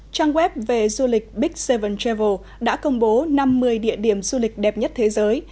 trang web về du lịch big seven travel đã công bố năm mươi địa điểm du lịch đẹp nhất thế giới